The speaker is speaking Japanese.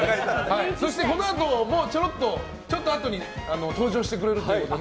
そしてこのあともちょっとあとに登場してくれるということで。